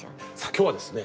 今日はですね